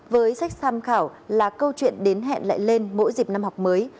với sách tham khảo là câu chuyện đến hẹn lại lên mỗi dịp năm học mới